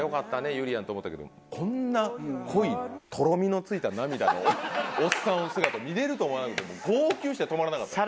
ゆりやんって思ったけどもこんな濃いとろみのついた涙のおっさんの姿を見れると思わなくて号泣して止まらなかったんで。